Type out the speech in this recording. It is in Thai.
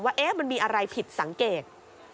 ว่ามันมีอะไรผิดสังเกต